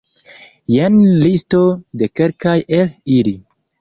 Jen listo de kelkaj el ili.